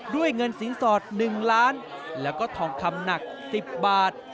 ด้วยเงินสินสอด๑ล้านแล้วก็ทองคำหนัก๑๐บาท